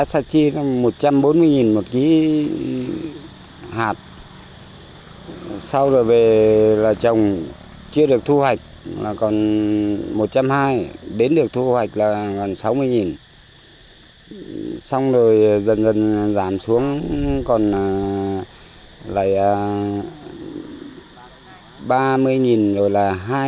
sau đó dần dần giảm xuống còn lại ba mươi rồi là hai mươi năm